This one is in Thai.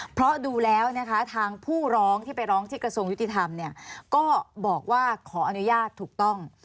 เพราะดูแล้วนะคะทางผู้ร้องที่ไปร้องที่กระทรวงยุติธรรมเนี่ยก็บอกว่าขออนุญาตถูกต้อง